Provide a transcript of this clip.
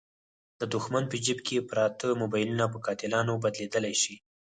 د دوښمن په جیب کې پراته موبایلونه په قاتلانو بدلېدلای شي.